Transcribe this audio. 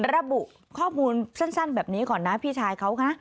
ระบุข้อมูลสั้นแบบนี้ก่อนนะพี่ชายเขาคะ